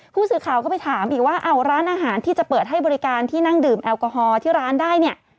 ผู้สืบข่าวก็ไปถามอีกว่าร้านอาหารที่จะเปิดให้บริการที่นั่งดื่มแอลกอฮอล์ได้